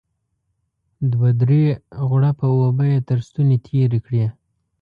دوه درې غوړپه اوبه يې تر ستوني تېرې کړې.